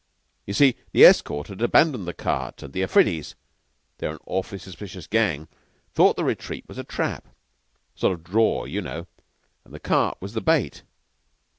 You see, the escort had abandoned the cart, and the Afridis they're an awfully suspicious gang thought the retreat was a trap sort of draw, you know and the cart was the bait.